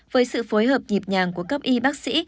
với sự phối hợp nhịp nhàng của các y bác sĩ